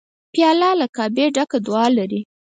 پیاله له کعبې ډکه دعا لري.